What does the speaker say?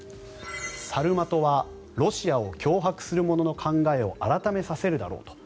サルマトはロシアを脅迫する者の考えを改めさせるだろうと。